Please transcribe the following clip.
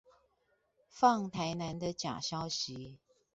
放台南的假消息